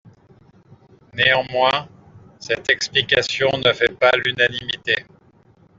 Néanmoins, cette explication ne fait pas l'unanimité.